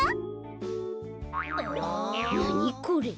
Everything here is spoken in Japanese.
これ。